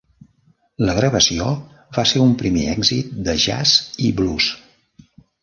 La gravació va ser un primer èxit de jazz i blues.